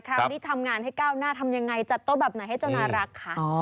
ครั้งนี้ทำงานให้ก้าวหน้าทำยังไงจัดโต๊ะแบบไหนให้เจ้าน่ารักคะ